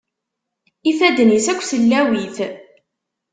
Ifadden-is akk sellawit.